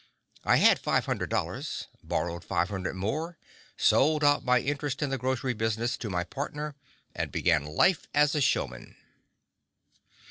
I had five hundred dollars, borrowed five hundred dollars more, sold out my interest in the grocery business to my partner, and began life as a showman.